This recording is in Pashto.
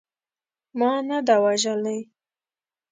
ما نه ده وژلې.